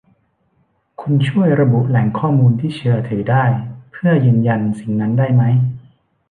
คุณช่วยระบุแหล่งข้อมูลที่เชื่อถือได้เพื่อยืนยันสิ่งนั้นได้มั้ย